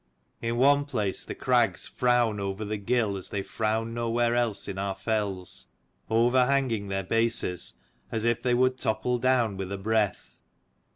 In one place the crags frown over the gill as they frown nowhere else in our fells, overhanging their bases, as if they would topple down with a breath.